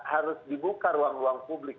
harus dibuka ruang ruang publik